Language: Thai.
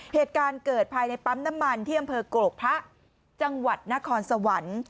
เหตุการณ์เกิดภายในปั๊มน้ำมันที่อำเภอกรกพระจังหวัดนครสวรรค์